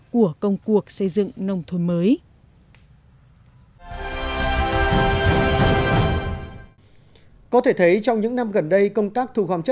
của công cuộc xây dựng nông thuần mới